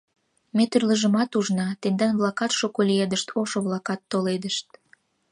Ме тӱрлыжымат ужна: тендан-влакат шуко лиедышт, ошо-влакат толедышт...